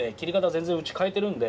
全然うち変えてるんで。